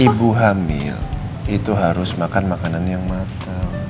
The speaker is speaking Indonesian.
ibu hamil itu harus makan makanan yang matang